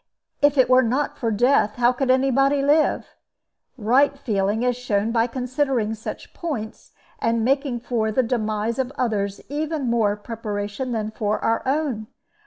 "If it were not for death, how could any body live? Right feeling is shown by considering such points, and making for the demise of others even more preparation than for our own.